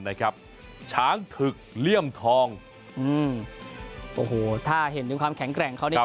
นะครับช้างถึกเหลี่ยมทองอืมถ้าเห็นโดยความแข็งแกร่งของเขา